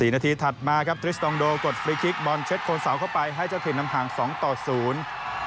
นาทีถัดมาครับทริสตองโดกดฟรีคลิกบอลเช็ดโคนเสาเข้าไปให้เจ้าถิ่นนำห่างสองต่อศูนย์